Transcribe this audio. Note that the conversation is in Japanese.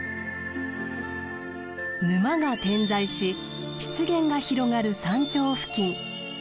沼が点在し湿原が広がる山頂付近。